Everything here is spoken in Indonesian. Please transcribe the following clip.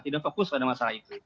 tidak fokus pada masalah itu